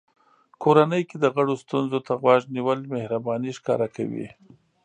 کورنۍ کې د غړو ستونزو ته غوږ نیول مهرباني ښکاره کوي.